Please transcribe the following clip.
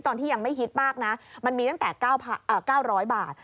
ตอนที่ยังไม่ฮิตมากนะมันมีตั้งแต่๙๐๐บาท